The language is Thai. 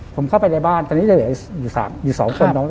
ผมเข้าไปในบ้านตอนนี้อยู่สองคน